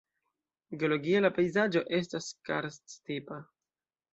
Geologie la pejzaĝo estas karst-tipa.